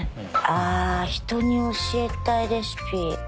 ああ人に教えたいレシピ。